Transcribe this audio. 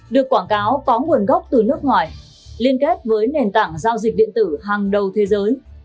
được quảng cáo có nguồn gốc từ nước ngoài liên kết với nền tảng giao dịch điện tử hàng đầu thế giới